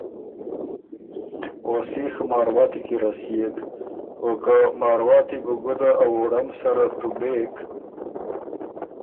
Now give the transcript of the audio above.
او سیخ مارواتی کی رسئېک او که مارواتی بو ګُده ا ووړم سره تُبېک